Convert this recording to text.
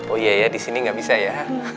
oh iya ya disini gak bisa ya